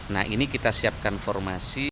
nah ini kita siapkan formasi